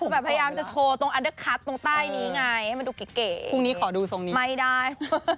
ไม่ได้